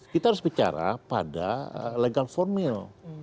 kita harus bicara pada legal formil